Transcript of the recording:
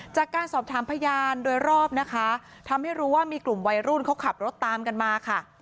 จากการสอบถามพยานโดยรอบนะคะทำให้รู้ว่ามีกลุ่มวัยรุ่นเขาขับรถตามกันมาค่ะ